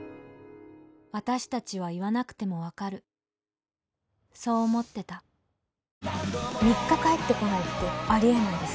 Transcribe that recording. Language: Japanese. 私達は言わなくても分かるそう思ってた３日帰ってこないってあり得ないです